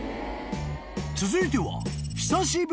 ［続いては］